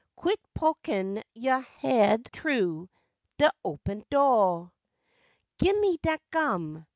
Quit pokin' yo' haid t'ru de open do'! Gimme dat gum!